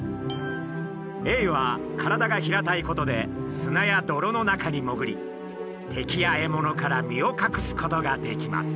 エイは体が平たいことで砂や泥の中に潜り敵や獲物から身を隠すことができます。